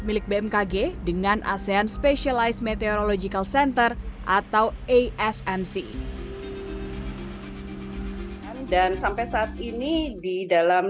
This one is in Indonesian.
milik bmkg dengan asean specialized meteorological center atau asmc dan sampai saat ini di dalam